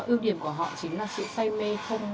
ưu điểm của họ chính là sự say mê